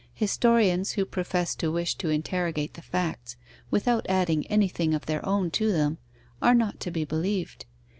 Historians who profess to wish to interrogate the facts, without adding anything of their own to them, are not to be believed.